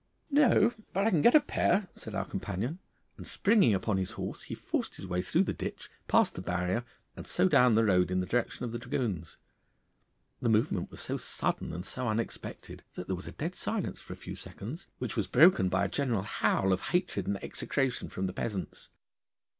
'No, but I can get a pair,' said our companion, and springing upon his horse he forced his way through the ditch, past the barrier, and so down the road in the direction of the dragoons. The movement was so sudden and so unexpected that there was a dead silence for a few seconds, which was broken by a general howl of hatred and execration from the peasants.